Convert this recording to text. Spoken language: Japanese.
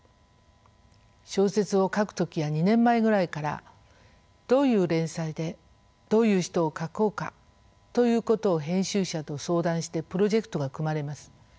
小説を書く時は２年前ぐらいからどういう連載でどういう人を書こうかということを編集者と相談してプロジェクトが組まれます。